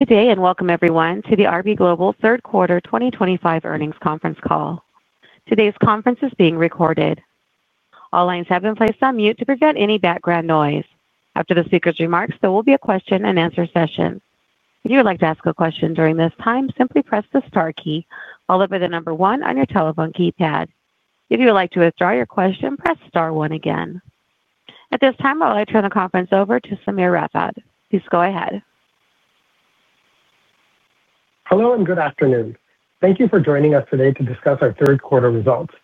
Good day and welcome, everyone, to the RB Global third quarter 2025 earnings conference call. Today's conference is being recorded. All lines have been placed on mute to prevent any background noise. After the speaker's remarks, there will be a question-and-answer session. If you would like to ask a question during this time, simply press the star key followed by the number one on your telephone keypad. If you would like to withdraw your question, press star one again. At this time, I would like to turn the conference over to Sameer Rathod. Please go ahead. Hello and good afternoon. Thank you for joining us today to discuss our third quarter results.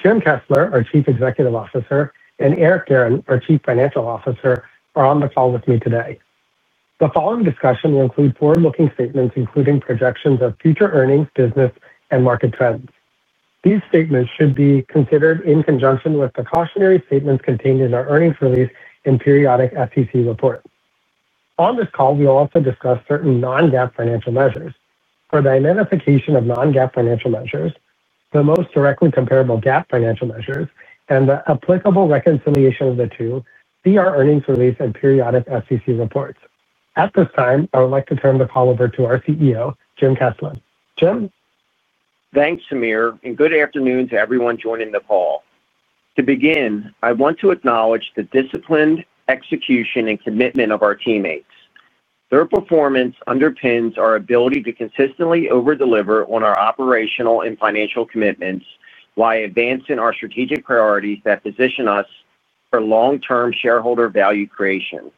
Jim Kessler, our Chief Executive Officer, and Eric Guerin, our Chief Financial Officer, are on the call with me today. The following discussion will include forward-looking statements, including projections of future earnings, business, and market trends. These statements should be considered in conjunction with precautionary statements contained in our earnings release and periodic FTC report. On this call, we will also discuss certain non-GAAP financial measures. For the identification of non-GAAP financial measures, the most directly comparable GAAP financial measures, and the applicable reconciliation of the two, see our earnings release and periodic FTC reports. At this time, I would like to turn the call over to our CEO, Jim Kessler. Jim? Thanks, Sameer, and good afternoon to everyone joining the call. To begin, I want to acknowledge the disciplined execution and commitment of our teammates. Their performance underpins our ability to consistently overdeliver on our operational and financial commitments while advancing our strategic priorities that position us for long-term shareholder value creation.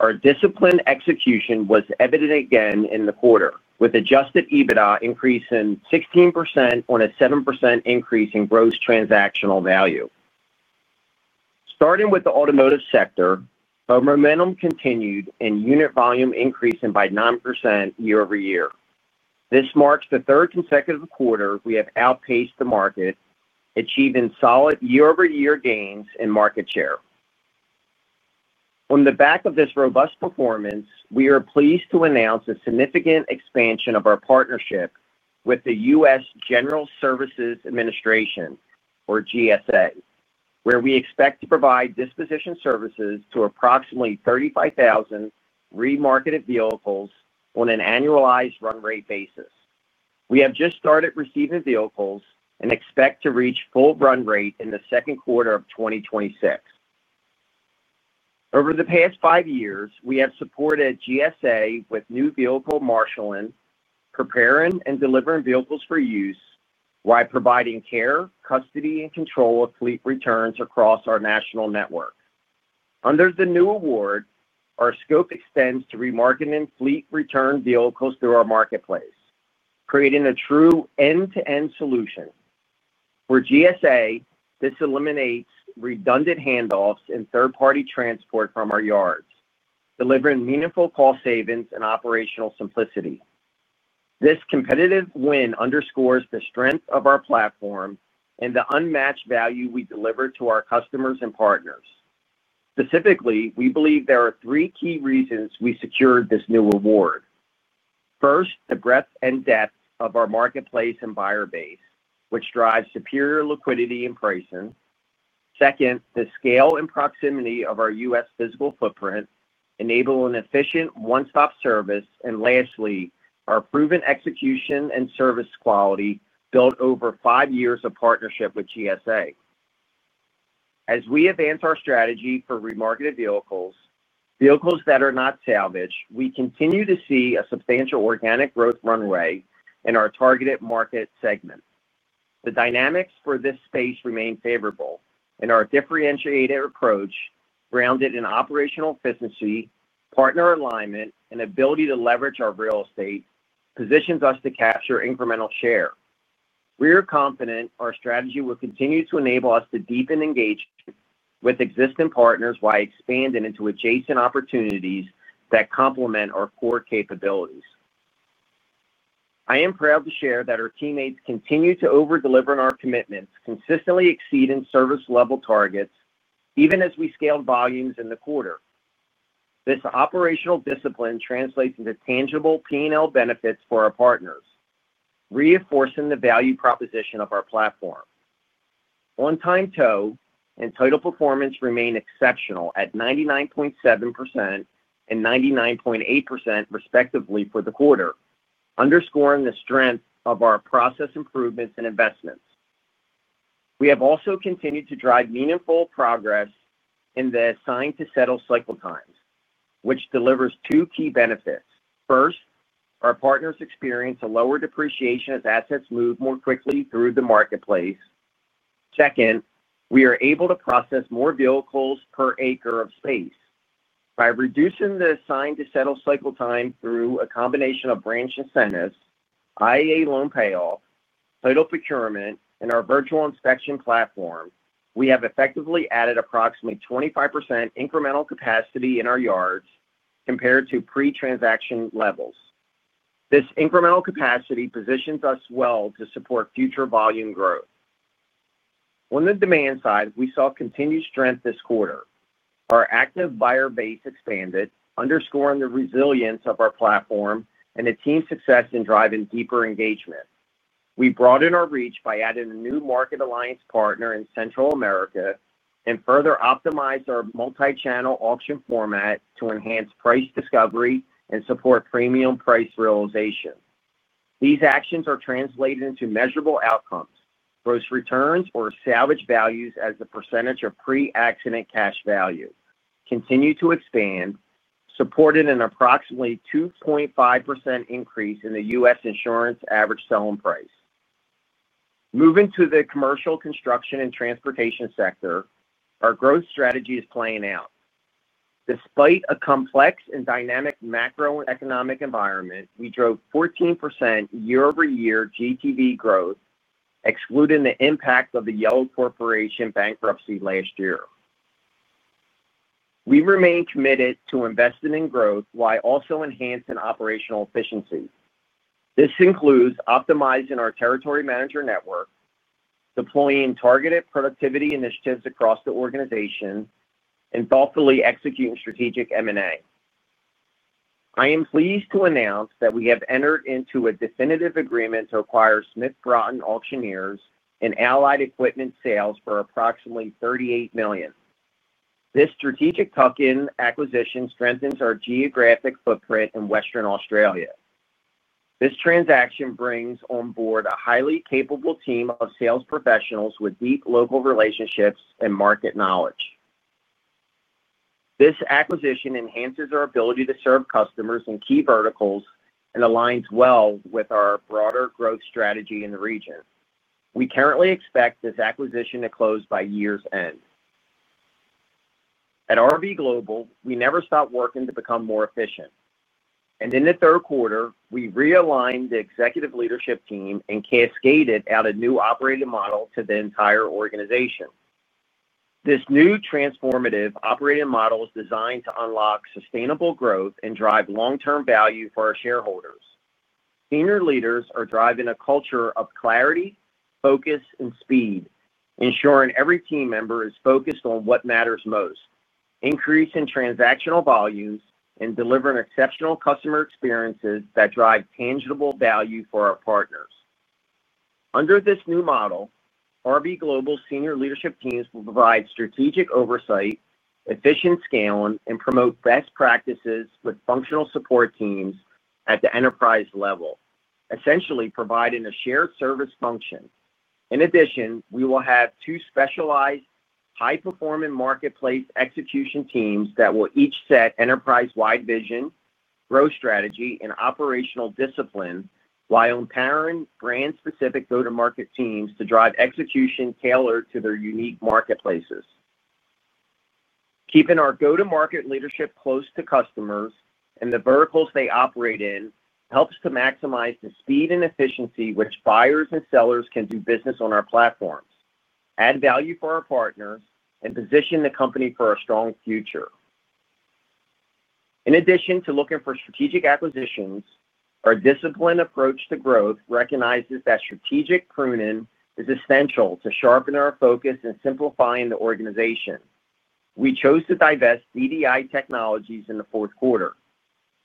Our disciplined execution was evident again in the quarter, with Adjusted EBITDA increasing 16% on a 7% increase in gross transactional value. Starting with the automotive sector, our momentum continued and unit volume increased by 9% year-over-year. This marks the third consecutive quarter we have outpaced the market, achieving solid year-over-year gains in market share. On the back of this robust performance, we are pleased to announce a significant expansion of our partnership with the US General Services Administration, or GSA, where we expect to provide disposition services to approximately 35,000 remarketed vehicles on an annualized run rate basis. We have just started receiving vehicles and expect to reach full run rate in the second quarter of 2026. Over the past five years, we have supported GSA with new vehicle marshaling, preparing and delivering vehicles for use while providing care, custody, and control of fleet returns across our national network. Under the new award, our scope extends to remarketing fleet return vehicles through our marketplace, creating a true end-to-end solution. For GSA, this eliminates redundant handoffs and third-party transport from our yards, delivering meaningful cost savings and operational simplicity. This competitive win underscores the strength of our platform and the unmatched value we deliver to our customers and partners. Specifically, we believe there are three key reasons we secured this new award. First, the breadth and depth of our marketplace and buyer base, which drives superior liquidity and pricing. Second, the scale and proximity of our US physical footprint enable an efficient one-stop service. Lastly, our proven execution and service quality built over five years of partnership with GSA. As we advance our strategy for remarketed vehicles, vehicles that are not salvaged, we continue to see a substantial organic growth runway in our targeted market segment. The dynamics for this space remain favorable, and our differentiated approach, grounded in operational efficiency, partner alignment, and ability to leverage our real estate, positions us to capture incremental share. We are confident our strategy will continue to enable us to deepen engagement with existing partners while expanding into adjacent opportunities that complement our core capabilities. I am proud to share that our teammates continue to overdeliver on our commitments, consistently exceeding service-level targets, even as we scaled volumes in the quarter. This operational discipline translates into tangible P&L benefits for our partners, reinforcing the value proposition of our platform. On-time tow and total performance remain exceptional at 99.7% and 99.8%, respectively, for the quarter, underscoring the strength of our process improvements and investments. We have also continued to drive meaningful progress in the sign-to-settle cycle times, which delivers two key benefits. First, our partners experience a lower depreciation as assets move more quickly through the marketplace. Second, we are able to process more vehicles per acre of space. By reducing the sign-to-settle cycle time through a combination of branch incentives, IEA loan payoff, total procurement, and our virtual inspection platform, we have effectively added approximately 25% incremental capacity in our yards compared to pre-transaction levels. This incremental capacity positions us well to support future volume growth. On the demand side, we saw continued strength this quarter. Our active buyer base expanded, underscoring the resilience of our platform and the team's success in driving deeper engagement. We broadened our reach by adding a new market alliance partner in Central America and further optimized our multi-channel auction format to enhance price discovery and support premium price realization. These actions are translated into measurable outcomes: gross returns or salvage values as the percentage of pre-accident cash value continue to expand, supported an approximately 2.5% increase in the US insurance average selling price. Moving to the commercial, construction, and transportation sector, our growth strategy is playing out. Despite a complex and dynamic macroeconomic environment, we drove 14% year-over-year GTV growth, excluding the impact of the Yellow Corporation bankruptcy last year. We remain committed to investing in growth while also enhancing operational efficiency. This includes optimizing our territory manager network, deploying targeted productivity initiatives across the organization, and thoughtfully executing strategic M&A. I am pleased to announce that we have entered into a definitive agreement to acquire Smith Broughton Auctioneers and Allied Equipment Sales for approximately $38 million. This strategic token acquisition strengthens our geographic footprint in Western Australia. This transaction brings on board a highly capable team of sales professionals with deep local relationships and market knowledge. This acquisition enhances our ability to serve customers in key verticals and aligns well with our broader growth strategy in the region. We currently expect this acquisition to close by year's end. At RB Global, we never stopped working to become more efficient. In the third quarter, we realigned the executive leadership team and cascaded out a new operating model to the entire organization. This new transformative operating model is designed to unlock sustainable growth and drive long-term value for our shareholders. Senior leaders are driving a culture of clarity, focus, and speed, ensuring every team member is focused on what matters most, increasing transactional volumes, and delivering exceptional customer experiences that drive tangible value for our partners. Under this new model, RB Global's senior leadership teams will provide strategic oversight, efficient scaling, and promote best practices with functional support teams at the enterprise level, essentially providing a shared service function. In addition, we will have two specialized high-performing marketplace execution teams that will each set enterprise-wide vision, growth strategy, and operational discipline while empowering brand-specific go-to-market teams to drive execution tailored to their unique marketplaces. Keeping our go-to-market leadership close to customers and the verticals they operate in helps to maximize the speed and efficiency with which buyers and sellers can do business on our platforms, add value for our partners, and position the company for a strong future. In addition to looking for strategic acquisitions, our disciplined approach to growth recognizes that strategic pruning is essential to sharpen our focus in simplifying the organization. We chose to divest DDI Technologies in the fourth quarter.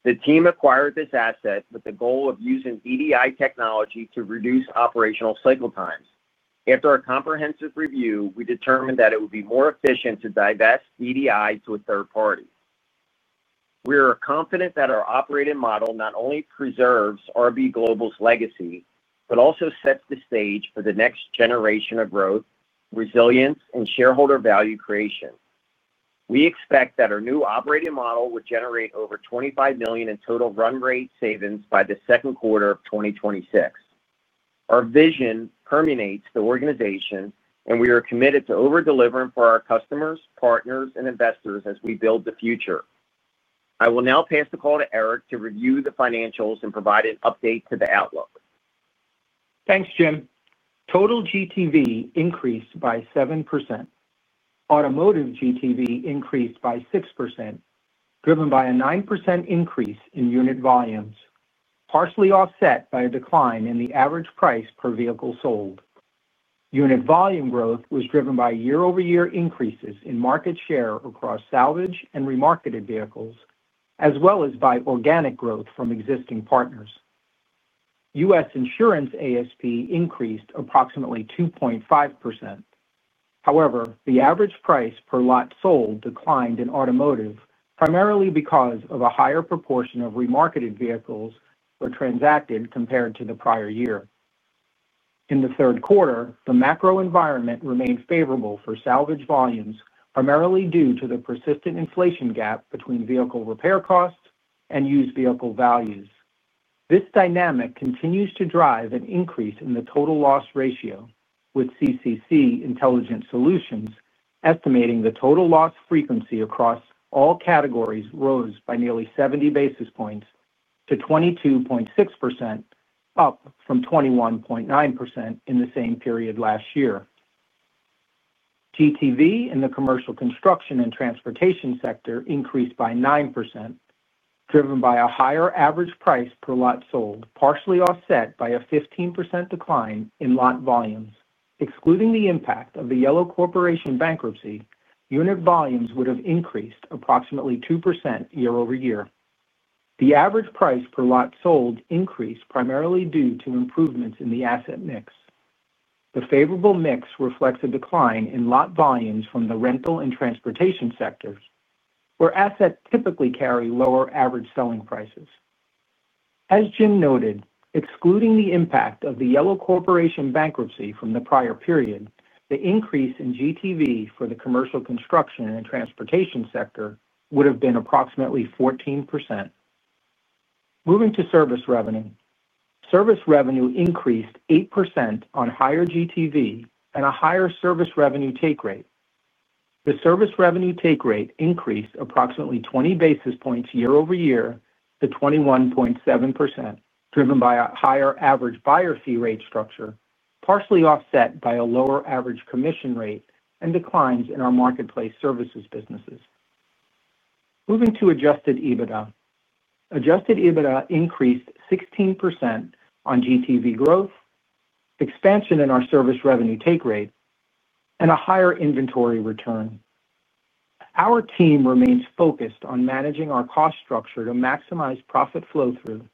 The team acquired this asset with the goal of using DDI technology to reduce operational cycle times. After a comprehensive review, we determined that it would be more efficient to divest DDI to a third party. We are confident that our operating model not only preserves RB Global's legacy but also sets the stage for the next generation of growth, resilience, and shareholder value creation. We expect that our new operating model would generate over $25 million in total run rate savings by the second quarter of 2026. Our vision permeates the organization, and we are committed to overdelivering for our customers, partners, and investors as we build the future. I will now pass the call to Eric to review the financials and provide an update to the outlook. Thanks, Jim. Total GTV increased by 7%. Automotive GTV increased by 6%, driven by a 9% increase in unit volumes, partially offset by a decline in the average price per vehicle sold. Unit volume growth was driven by year-over-year increases in market share across salvage and remarketed vehicles, as well as by organic growth from existing partners. US insurance ASP increased approximately 2.5%. However, the average price per lot sold declined in automotive, primarily because of a higher proportion of remarketed vehicles that transacted compared to the prior year. In the third quarter, the macro environment remained favorable for salvage volumes, primarily due to the persistent inflation gap between vehicle repair costs and used vehicle values. This dynamic continues to drive an increase in the total loss ratio, with CCC Intelligent Solutions estimating the total loss frequency across all categories rose by nearly 70 basis points to 22.6%. Up from 21.9% in the same period last year. GTV in the commercial, construction, and transportation sector increased by 9%. Driven by a higher average price per lot sold, partially offset by a 15% decline in lot volumes. Excluding the impact of the Yellow Corporation bankruptcy, unit volumes would have increased approximately 2% year-over-year. The average price per lot sold increased primarily due to improvements in the asset mix. The favorable mix reflects a decline in lot volumes from the rental and transportation sectors, where assets typically carry lower average selling prices. As Jim noted, excluding the impact of the Yellow Corporation bankruptcy from the prior period, the increase in GTV for the commercial, construction, and transportation sector would have been approximately 14%. Moving to service revenue. Service revenue increased 8% on higher GTV and a higher service revenue take rate. The service revenue take rate increased approximately 20 basis points year-over-year to 21.7%, driven by a higher average buyer fee rate structure, partially offset by a lower average commission rate and declines in our marketplace services businesses. Moving to Adjusted EBITDA. Adjusted EBITDA increased 16% on GTV growth, expansion in our service revenue take rate, and a higher inventory return. Our team remains focused on managing our cost structure to maximize profit flow through.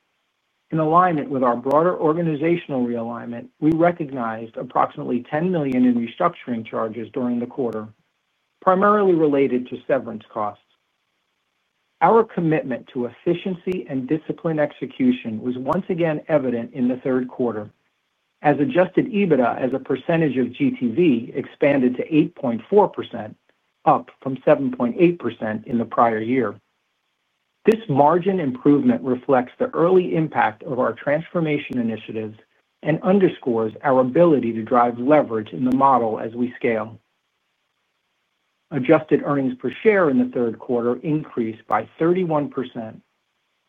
In alignment with our broader organizational realignment, we recognized approximately $10 million in restructuring charges during the quarter, primarily related to severance costs. Our commitment to efficiency and discipline execution was once again evident in the third quarter, as Adjusted EBITDA as a percentage of GTV expanded to 8.4%, up from 7.8% in the prior year. This margin improvement reflects the early impact of our transformation initiatives and underscores our ability to drive leverage in the model as we scale. Adjusted earnings per share in the third quarter increased by 31%,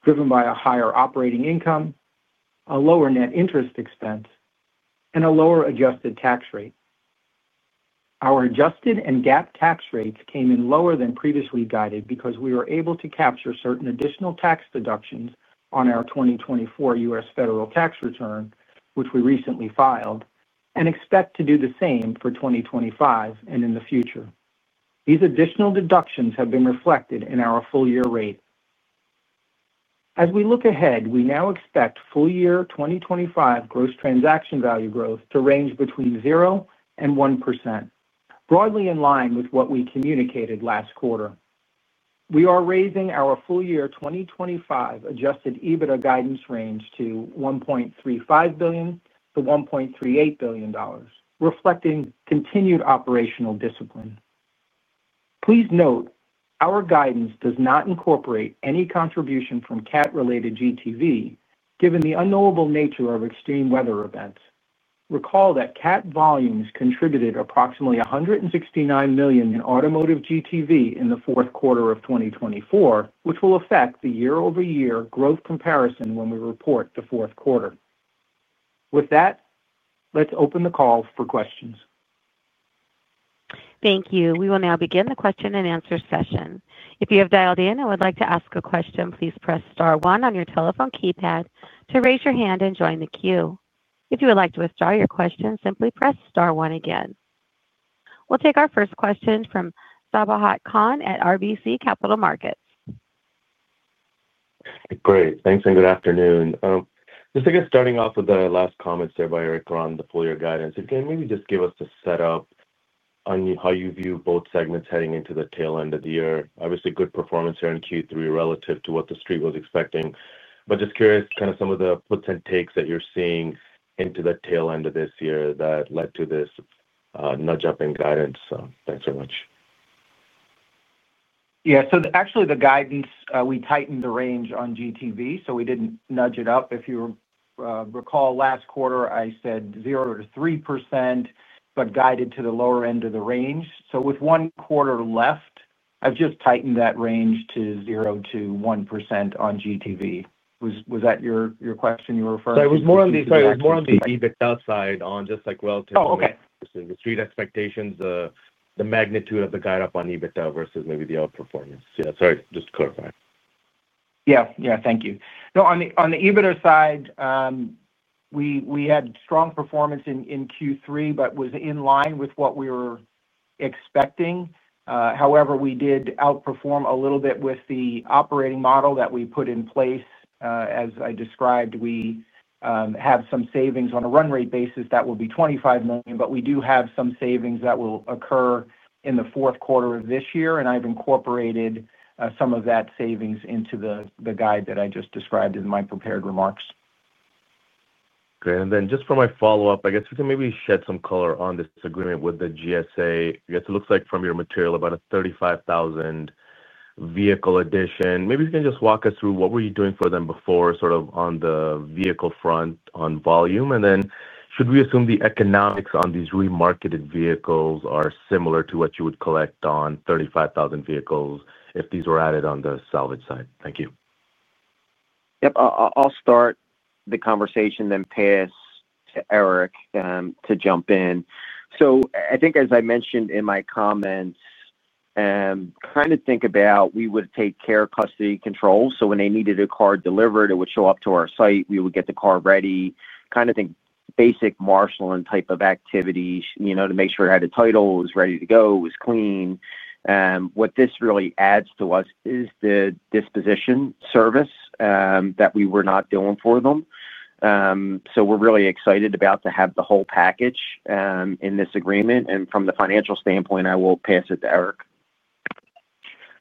driven by a higher operating income, a lower net interest expense, and a lower adjusted tax rate. Our adjusted and GAAP tax rates came in lower than previously guided because we were able to capture certain additional tax deductions on our 2024 US federal tax return, which we recently filed, and expect to do the same for 2025 and in the future. These additional deductions have been reflected in our full-year rate. As we look ahead, we now expect full-year 2025 gross transaction value growth to range between 0% and 1%, broadly in line with what we communicated last quarter. We are raising our full-year 2025 Adjusted EBITDA guidance range to $1.35 billion-$1.38 billion, reflecting continued operational discipline. Please note, our guidance does not incorporate any contribution from CAT-related GTV, given the unknowable nature of extreme weather events. Recall that CAT volumes contributed approximately $169 million in automotive GTV in the fourth quarter of 2024, which will affect the year-over-year growth comparison when we report the fourth quarter. With that, let's open the call for questions. Thank you. We will now begin the question-and-answer session. If you have dialed in and would like to ask a question, please press star one on your telephone keypad to raise your hand and join the queue. If you would like to withdraw your question, simply press star one again. We'll take our first question from Sabahat Khan at RBC Capital Markets. Great. Thanks and good afternoon. Just to get starting off with the last comments there by Eric on the full-year guidance, can you maybe just give us the setup on how you view both segments heading into the tail end of the year? Obviously, good performance here in Q3 relative to what the street was expecting. Just curious, kind of some of the puts and takes that you're seeing into the tail end of this year that led to this nudge-up in guidance. Thanks very much. Yeah. So actually, the guidance, we tightened the range on GTV, so we did not nudge it up. If you recall, last quarter, I said 0%-3%, but guided to the lower end of the range. With one quarter left, I have just tightened that range to 0%-1% on GTV. Was that your question you were referring to? It was more on the—sorry, it was more on the EBITDA side on just like relative to the street expectations. The magnitude of the guide-up on EBITDA versus maybe the outperformance. Yeah. Sorry, just clarifying. Yeah. Yeah. Thank you. No, on the EBITDA side. We had strong performance in Q3, but it was in line with what we were expecting. However, we did outperform a little bit with the operating model that we put in place. As I described, we have some savings on a run rate basis that will be $25 million, but we do have some savings that will occur in the fourth quarter of this year. I've incorporated some of that savings into the guide that I just described in my prepared remarks. Great. For my follow-up, I guess we can maybe shed some color on this agreement with the GSA. Yes, it looks like from your material, about a $35,000 vehicle addition. Maybe you can just walk us through what were you doing for them before, sort of on the vehicle front on volume. Should we assume the economics on these remarketed vehicles are similar to what you would collect on 35,000 vehicles if these were added on the salvage side? Thank you. Yep. I'll start the conversation, then pass to Eric to jump in. I think, as I mentioned in my comments, kind of think about we would take care of custody control. When they needed a car delivered, it would show up to our site. We would get the car ready, kind of think basic marshaling type of activities to make sure it had a title, it was ready to go, it was clean. What this really adds to us is the disposition service that we were not doing for them. We're really excited about to have the whole package in this agreement. From the financial standpoint, I will pass it to Eric.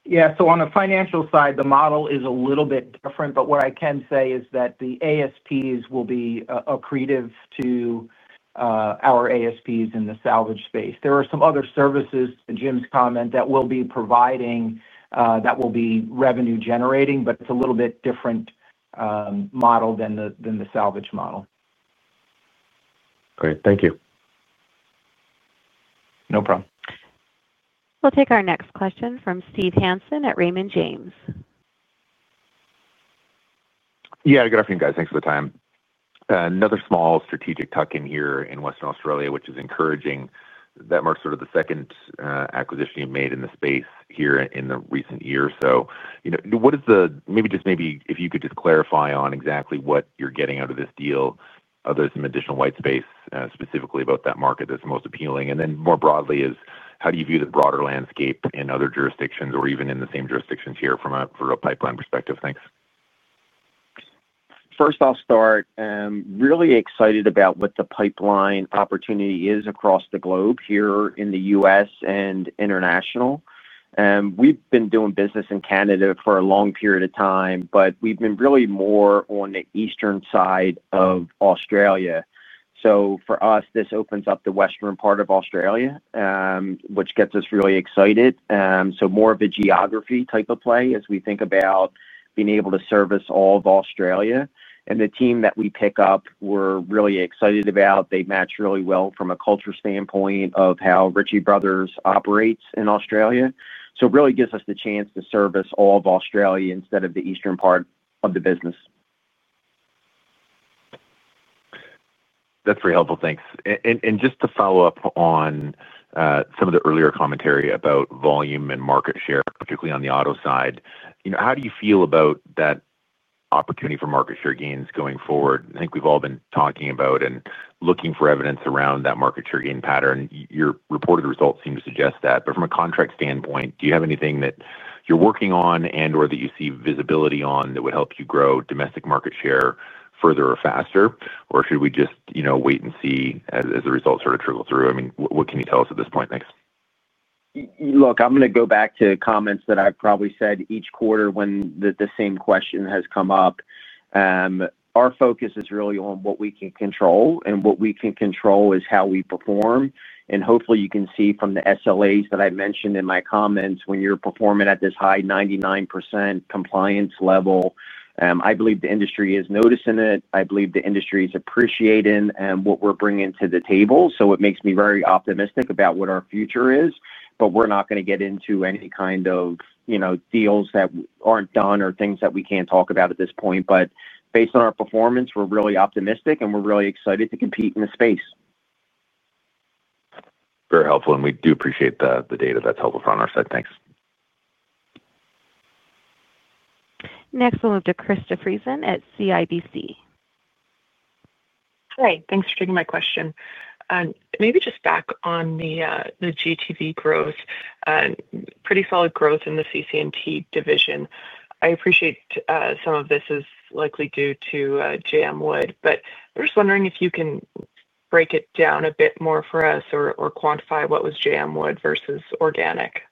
Yeah. On the financial side, the model is a little bit different. What I can say is that the ASPs will be accretive to our ASPs in the salvage space. There are some other services, Jim's comment, that we'll be providing that will be revenue-generating, but it's a little bit different model than the salvage model. Great. Thank you. No problem. We'll take our next question from Steve Hansen at Raymond James. Yeah. Good afternoon, guys. Thanks for the time. Another small strategic tuck-in here in Western Australia, which is encouraging. That marks sort of the second acquisition you've made in the space here in the recent year. What is the—maybe just maybe if you could just clarify on exactly what you're getting out of this deal, other than some additional white space, specifically about that market that's most appealing? More broadly, how do you view the broader landscape in other jurisdictions or even in the same jurisdictions here from a pipeline perspective? Thanks. First, I'll start. I'm really excited about what the pipeline opportunity is across the globe here in the U.S. and international. We've been doing business in Canada for a long period of time, but we've been really more on the eastern side of Australia. For us, this opens up the western part of Australia, which gets us really excited. More of a geography type of play as we think about being able to service all of Australia. The team that we pick up, we're really excited about. They match really well from a culture standpoint of how Ritchie Bros. operates in Australia. It really gives us the chance to service all of Australia instead of the eastern part of the business. That's very helpful. Thanks. Just to follow-up on some of the earlier commentary about volume and market share, particularly on the auto side, how do you feel about that opportunity for market share gains going forward? I think we've all been talking about and looking for evidence around that market share gain pattern. Your reported results seem to suggest that. From a contract standpoint, do you have anything that you're working on and/or that you see visibility on that would help you grow domestic market share further or faster? Should we just wait and see as the results sort of trickle through? I mean, what can you tell us at this point? Thanks. Look, I'm going to go back to comments that I've probably said each quarter when the same question has come up. Our focus is really on what we can control. What we can control is how we perform. Hopefully, you can see from the SLAs that I mentioned in my comments, when you're performing at this high 99% compliance level, I believe the industry is noticing it. I believe the industry is appreciating what we're bringing to the table. It makes me very optimistic about what our future is. We're not going to get into any kind of deals that aren't done or things that we can't talk about at this point. Based on our performance, we're really optimistic, and we're really excited to compete in the space. Very helpful. We do appreciate the data, that's helpful from our side. Thanks. Next, we'll move to Krista Friesen at CIBC. Hi. Thanks for taking my question. Maybe just back on the GTV growth. Pretty solid growth in the CC&T division. I appreciate some of this is likely due to J.M. Wood. I am just wondering if you can break it down a bit more for us or quantify what was J.M. Wood versus organic.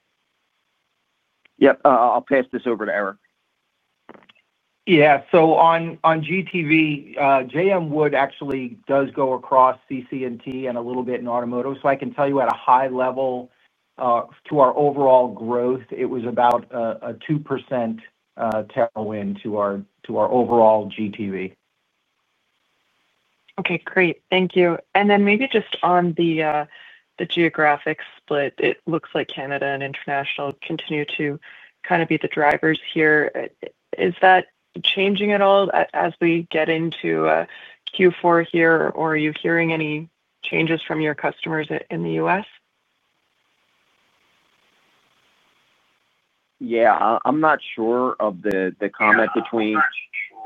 Yep. I'll pass this over to Eric. Yeah. So on GTV, J.M. Wood actually does go across CC&T and a little bit in automotive. I can tell you at a high level. To our overall growth, it was about a 2% tailwind to our overall GTV. Okay. Great. Thank you. Maybe just on the geographic split, it looks like Canada and international continue to kind of be the drivers here. Is that changing at all as we get into Q4 here? Are you hearing any changes from your customers in the U.S.? Yeah. I'm not sure of the comment between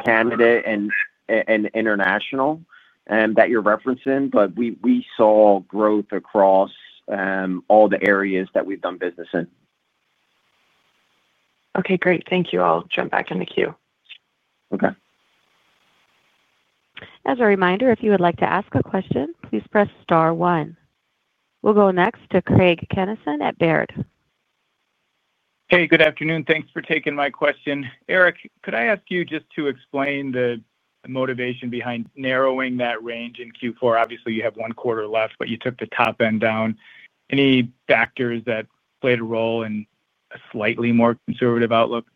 Canada and international that you're referencing, but we saw growth across all the areas that we've done business in. Okay. Great. Thank you. I'll jump back in the queue. Okay. As a reminder, if you would like to ask a question, please press star one. We'll go next to Craig Kennison at Baird. Hey, good afternoon. Thanks for taking my question. Eric, could I ask you just to explain the motivation behind narrowing that range in Q4? Obviously, you have one quarter left, but you took the top end down. Any factors that played a role in a slightly more conservative outlook?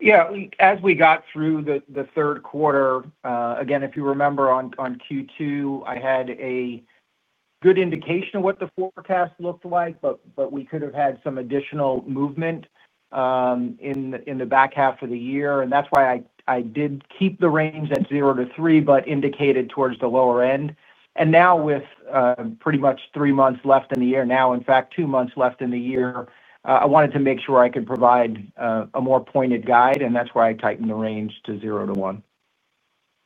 Yeah. As we got through the third quarter, again, if you remember, on Q2, I had a good indication of what the forecast looked like, but we could have had some additional movement in the back half of the year. That is why I did keep the range at 0-3 but indicated towards the lower end. Now, with pretty much three months left in the year, now, in fact, two months left in the year, I wanted to make sure I could provide a more pointed guide, and that is why I tightened the range to 0-1.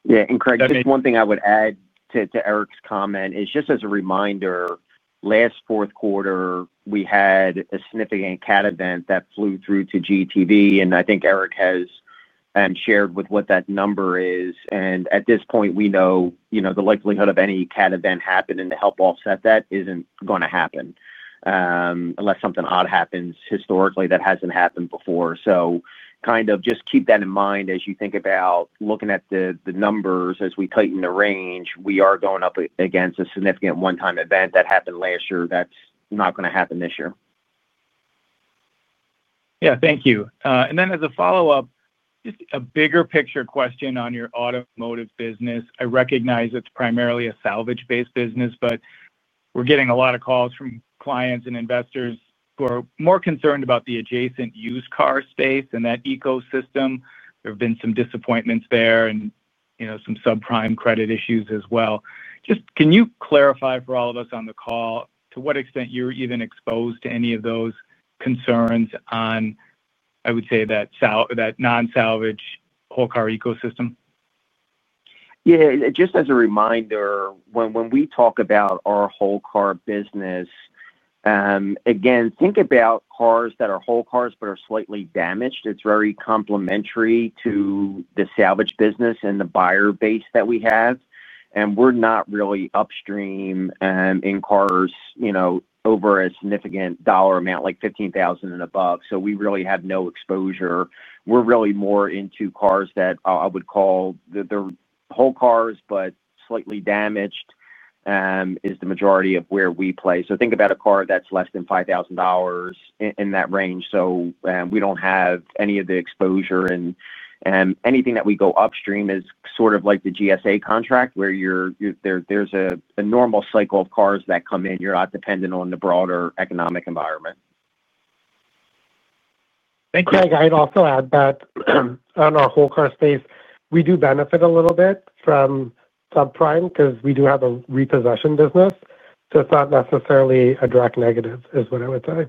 Yeah. Craig, just one thing I would add to Eric's comment is just as a reminder, last fourth quarter, we had a significant CAT event that flew through to GTV. I think Eric has shared what that number is. At this point, we know the likelihood of any CAT event happening to help offset that is not going to happen. Unless something odd happens historically that has not happened before. Kind of just keep that in mind as you think about looking at the numbers as we tighten the range. We are going up against a significant one-time event that happened last year that is not going to happen this year. Yeah. Thank you. As a follow-up, just a bigger picture question on your automotive business. I recognize it's primarily a salvage-based business, but we're getting a lot of calls from clients and investors who are more concerned about the adjacent used car space and that ecosystem. There have been some disappointments there and some subprime credit issues as well. Can you clarify for all of us on the call to what extent you're even exposed to any of those concerns on, I would say, that non-salvage whole car ecosystem? Yeah. Just as a reminder, when we talk about our whole car business. Again, think about cars that are whole cars but are slightly damaged. It is very complementary to the salvage business and the buyer base that we have. We are not really upstream in cars over a significant dollar amount, like $15,000 and above. We really have no exposure. We are really more into cars that I would call the whole cars but slightly damaged. That is the majority of where we play. Think about a car that is less than $5,000 in that range. We do not have any of the exposure. Anything that we go upstream is sort of like the GSA contract where there is a normal cycle of cars that come in. You are not dependent on the broader economic environment. Thank you. Craig, I'd also add that on our whole car space, we do benefit a little bit from subprime because we do have a repossession business. So it's not necessarily a direct negative is what I would say.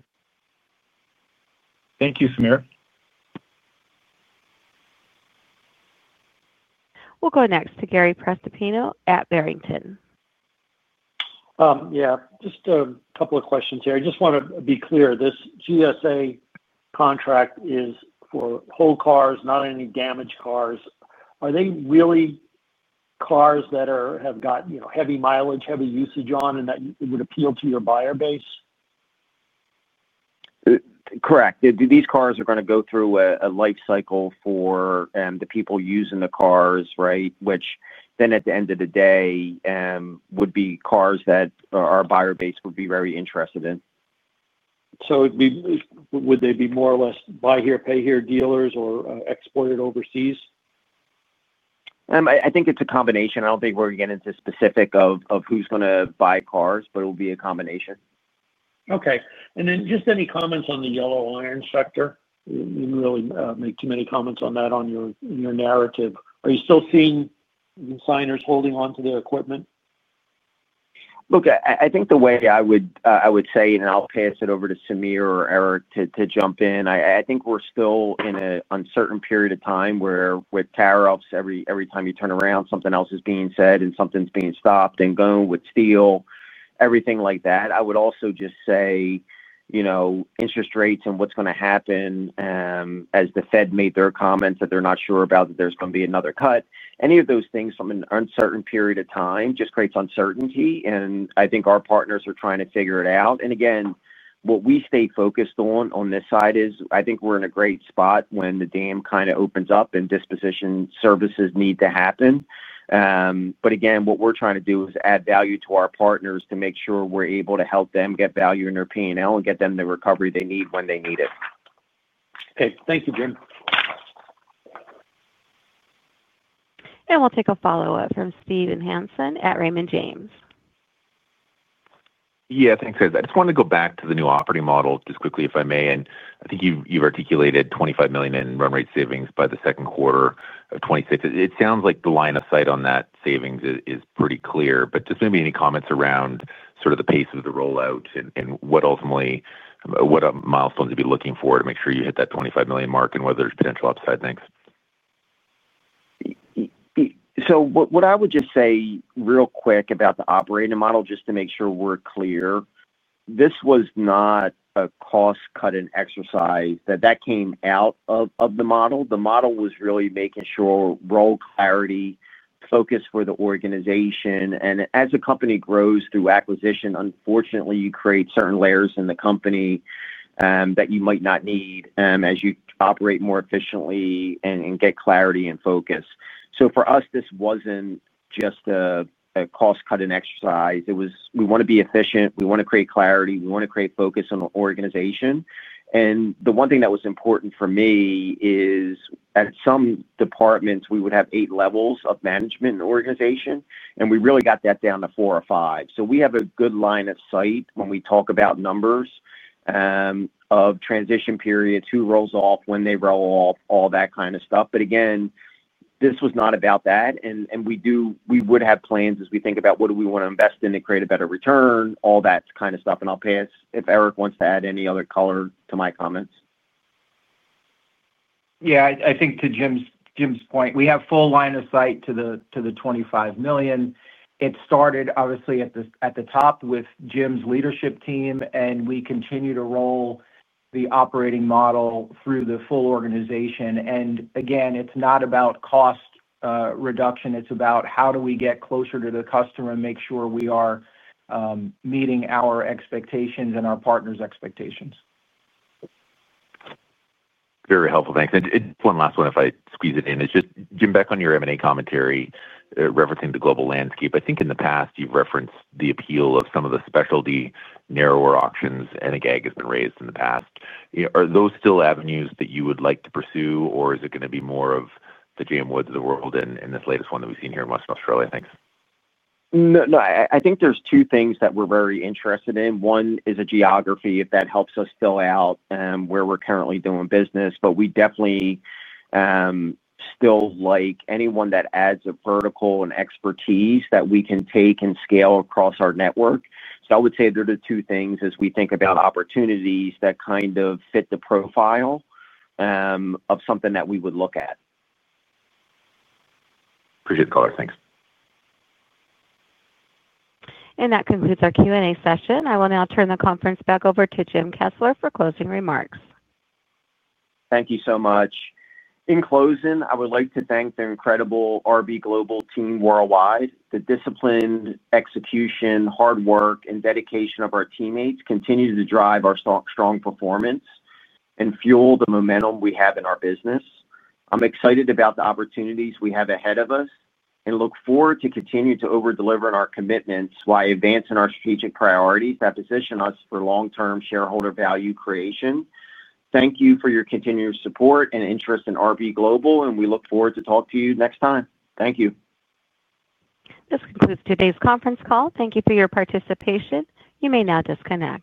Thank you, Sameer. We'll go next to Gary Prestopino at Barrington Research. Yeah. Just a couple of questions here. I just want to be clear. This GSA contract is for whole cars, not any damaged cars. Are they really cars that have got heavy mileage, heavy usage on, and that it would appeal to your buyer base? Correct. These cars are going to go through a life cycle for the people using the cars, right, which then at the end of the day would be cars that our buyer base would be very interested in. Would they be more or less buy here, pay here dealers or exported overseas? I think it's a combination. I don't think we're getting into specific of who's going to buy cars, but it will be a combination. Okay. And then just any comments on the yellow iron sector? You did not really make too many comments on that in your narrative. Are you still seeing the signers holding on to their equipment? Look, I think the way I would say, and I'll pass it over to Sameer or Eric to jump in, I think we're still in an uncertain period of time where with tariffs, every time you turn around, something else is being said and something's being stopped and going with steel, everything like that. I would also just say interest rates and what's going to happen. As the Fed made their comments that they're not sure about that there's going to be another cut, any of those things from an uncertain period of time just creates uncertainty. I think our partners are trying to figure it out. Again, what we stay focused on on this side is I think we're in a great spot when the dam kind of opens up and disposition services need to happen. What we're trying to do is add value to our partners to make sure we're able to help them get value in their P&L and get them the recovery they need when they need it. Okay. Thank you, Jim. We'll take a follow-up from Steve Hansen at Raymond James. Yeah. Thanks, Chris. I just wanted to go back to the new operating model just quickly, if I may. I think you've articulated $25 million in run rate savings by the second quarter of 2026. It sounds like the line of sight on that savings is pretty clear. Just maybe any comments around sort of the pace of the rollout and what milestones you'd be looking for to make sure you hit that $25 million mark and whether there's potential upside? Thanks. What I would just say real quick about the operating model, just to make sure we're clear, this was not a cost-cutting exercise. That came out of the model. The model was really making sure role clarity, focus for the organization. As a company grows through acquisition, unfortunately, you create certain layers in the company that you might not need as you operate more efficiently and get clarity and focus. For us, this was not just a cost-cutting exercise. We want to be efficient. We want to create clarity. We want to create focus on the organization. The one thing that was important for me is at some departments, we would have eight levels of management and organization, and we really got that down to four or five. We have a good line of sight when we talk about numbers. Of transition periods, who rolls off, when they roll off, all that kind of stuff. This was not about that. We would have plans as we think about what do we want to invest in to create a better return, all that kind of stuff. I'll pass if Eric wants to add any other color to my comments. Yeah. I think to Jim's point, we have full line of sight to the $25 million. It started, obviously, at the top with Jim's leadership team, and we continue to roll the operating model through the full organization. Again, it's not about cost reduction. It's about how do we get closer to the customer and make sure we are meeting our expectations and our partners' expectations. Very helpful. Thanks. One last one, if I squeeze it in. It's just, Jim, back on your M&A commentary referencing the global landscape. I think in the past, you've referenced the appeal of some of the specialty narrower auctions and the gag has been raised in the past. Are those still avenues that you would like to pursue, or is it going to be more of the J.M. Woods of the world in this latest one that we've seen here in Western Australia? Thanks. No, I think there's two things that we're very interested in. One is a geography, if that helps us fill out where we're currently doing business. We definitely still like anyone that adds a vertical and expertise that we can take and scale across our network. I would say they're the two things as we think about opportunities that kind of fit the profile of something that we would look at. Appreciate the caller. Thanks. That concludes our Q&A session. I will now turn the conference back over to Jim Kessler for closing remarks. Thank you so much. In closing, I would like to thank the incredible RB Global team worldwide. The discipline, execution, hard work, and dedication of our teammates continue to drive our strong performance and fuel the momentum we have in our business. I'm excited about the opportunities we have ahead of us and look forward to continuing to overdeliver on our commitments while advancing our strategic priorities that position us for long-term shareholder value creation. Thank you for your continued support and interest in RB Global, and we look forward to talking to you next time. Thank you. This concludes today's conference call. Thank you for your participation. You may now disconnect.